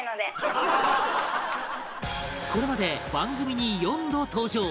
これまで番組に４度登場